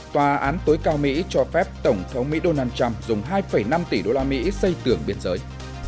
tòa án tối cao mỹ cho phép tổng thống mỹ donald trump dùng hai năm tỷ đô la mỹ xây tường biên giới